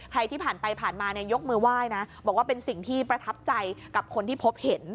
ที่ผ่านไปผ่านมาเนี่ยยกมือไหว้นะบอกว่าเป็นสิ่งที่ประทับใจกับคนที่พบเห็น